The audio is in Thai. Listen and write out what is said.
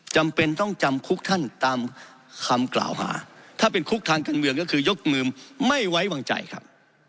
จำเป็นต้องจำคุกท่านตามคำกล่าวหาถ้าเป็นคุกทางการเมืองก็คือยกมือไม่ไว้วางใจครับ